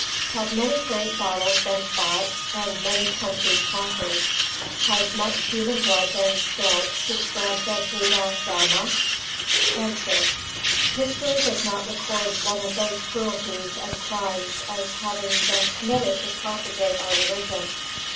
_Have many great battles been fought and many countries conquered; has much human blood been spilt to spread the Buddha Dharma?_ A. History does not record one of those cruelties and crimes as having been committed to propagate our religion.